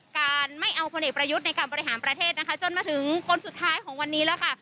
การไม่เอาพลเอกประยุทธ์ในการบริหารประเทศนะคะจนมาถึงคนสุดท้ายของวันนี้แล้วค่ะ